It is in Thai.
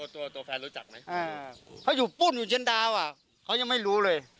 ตัวแฟนรู้จักไหมเขาอยู่ปุ้นอยู่เชียนดาวเขายังไม่รู้เลย